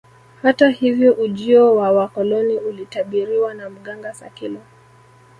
Hata hivyo ujio wa wakoloni ulitabiriwa na mganga Sakilo